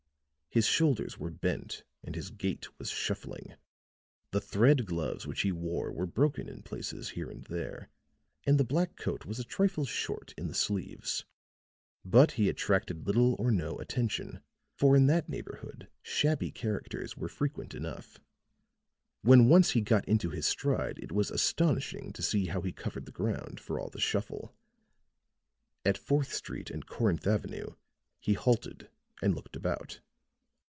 His shoulders were bent and his gait was shuffling; the thread gloves which he wore were broken in places here and there and the black coat was a trifle short in the sleeves. But he attracted little or no attention, for in that neighborhood shabby characters were frequent enough. When once he got into his stride it was astonishing to see how he covered the ground, for all the shuffle. At Fourth Street and Corinth Avenue he halted and looked about.